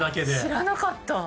知らなかった！